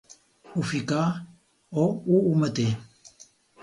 Ho ficà o ho ometé.